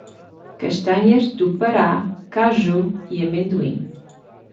Castanhas do Pará, Caju e amendoim